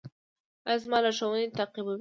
ایا زما لارښوونې تعقیبوئ؟